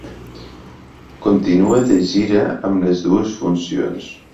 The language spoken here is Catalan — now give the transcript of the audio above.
Continua de gira amb les dues funcions.